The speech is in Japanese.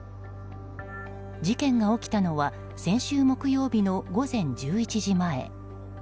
事件が起きたのは先週木曜日の午前１１時前。